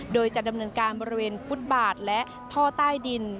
โดยจะดำเนินการบริเวณฟุตบาทและท่อใต้ดิน